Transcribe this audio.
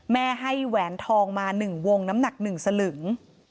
แม่ให้แหวนทองมาหนึ่งวงน้ำหนักหนึ่งสลึง